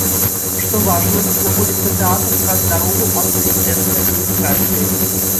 Што важна, знаходзіцца тэатр праз дарогу ад прэзідэнцкай адміністрацыі.